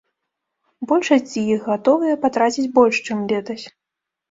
Большасць з іх гатовыя патраціць больш, чым летась.